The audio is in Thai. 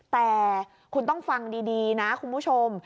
แต่คุณต้องฟังดีนะคุณผู้ชม